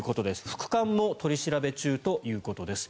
副官も取り調べ中ということです。